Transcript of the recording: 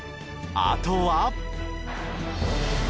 あとは。